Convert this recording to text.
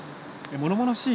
ものものしい